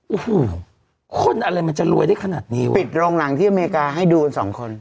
โอ้โหคนอะไรมันจะรวยได้ขนาดนี้วะปิดโรงหนังที่อเมริกาให้ดูกันสองคน